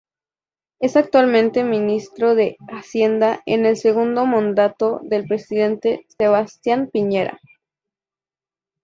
Es actualmente ministro de Hacienda en el segundo mandato del presidente Sebastián Piñera.